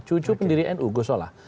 cucu pendiri nu gus solah